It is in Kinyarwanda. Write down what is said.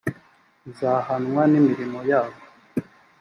rizahwana n imirimo yabo